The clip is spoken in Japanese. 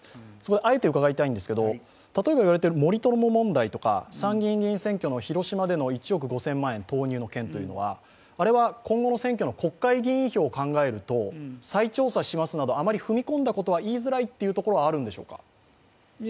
あえて伺いたいのですが、例えば言われている森友問題とか参議院議員での広島での１億５０００万円投入の件とか今後の選挙の国会議員票を考えると、再調査しますなどあまり踏み込んだことは言いづらいということはあるんでしょうか。